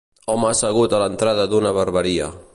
Home assegut a l'entrada d'una barberia.